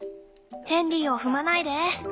ヘンリーを踏まないで。